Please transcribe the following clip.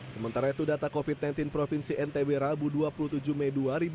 sementara itu data covid sembilan belas provinsi ntb rabu dua puluh tujuh mei dua ribu dua puluh